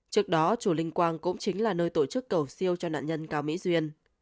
trước đó chùa linh quang cũng chính là nơi tổ chức cầu siêu cho nạn nhân cao mỹ duyên